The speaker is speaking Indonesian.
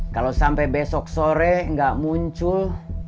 kalau sampai besok sore nggak muncul